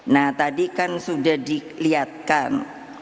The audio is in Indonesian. nah tadi kan sudah dilihatkan